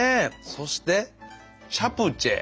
そしてチャプチェ。